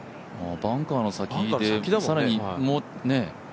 バンカーの先で、更に。